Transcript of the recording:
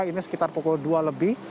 ini sekitar pukul dua lebih